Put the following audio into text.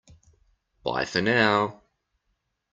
Bye for now!